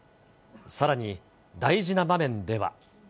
さらに、大事な場面では。